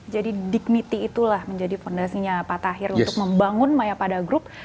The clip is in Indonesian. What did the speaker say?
jadi dignity itulah menjadi fondasinya pak tahir untuk membangun maya pada group